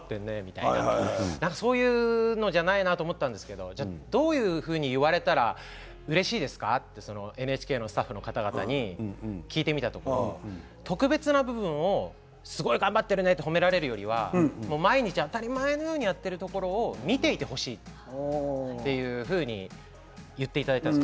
そういうのじゃないなと思ったんですけどどういうふうに言われたらうれしいですか？とＮＨＫのスタッフの方々に聞いてみたところ特別な部分をすごい頑張ってるねと褒められるより毎日当たり前のようにやっているところを見ていてほしいというふうに言っていただいたんです。